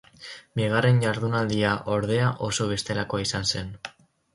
Bigarren jardunaldia ordea oso bestelakoa izan zen.